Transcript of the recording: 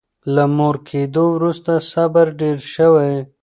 له مور کېدو وروسته صبر ډېر شوی.